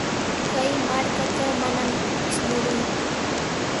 Kay markatraw manami pipis murunku.